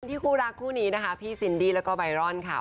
คู่รักคู่นี้นะคะพี่ซินดี้แล้วก็ไบรอนค่ะ